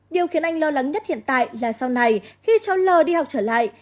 điều khiến anh lo lắng nhất hiện tại là sau này khi cháu l đi học trở lại